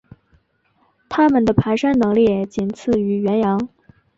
它们的爬山能力仅次于羱羊。